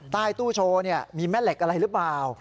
ใต้ตู้โชว์มีแม่เหล็กอะไรหรือเปล่า